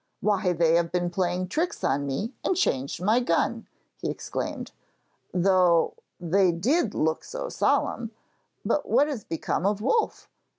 'Why they have been playing tricks on me and changed my gun!' he exclaimed, 'though they did look so solemn; but what has become of Wolf?